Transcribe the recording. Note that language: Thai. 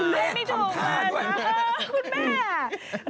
แม่ไม่ถูกมาท่านนะคุณแม่